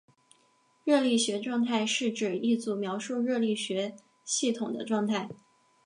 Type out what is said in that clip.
热力学状态是指一组描述热力学系统的状态。